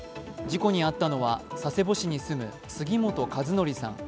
事故に遭ったのは佐世保市に住む杉本和紀さん